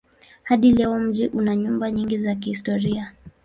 Hadi leo mji una nyumba nyingi za kihistoria.